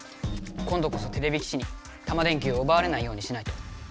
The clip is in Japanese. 今度こそてれび騎士にタマ電Ｑをうばわれないようにしないと。